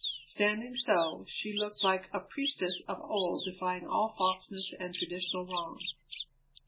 Standing so, she looked like a priestess of old defying all falseness and traditional wrong.